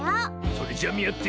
それじゃあみあって。